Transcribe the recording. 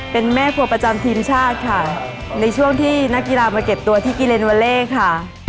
เป็นแม่ครัวประจำทีมชาติค่ะในช่วงที่นักกีฬามาเก็บตัวที่กิเลนวาเล่ค่ะ